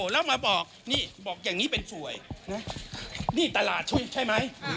แล้วมาบอกอย่างนี้เป็นสวยนี่ตลาดใช่ไหม